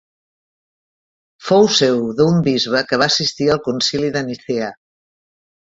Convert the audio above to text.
Fou seu d'un bisbe que va assistir al Concili de Nicea.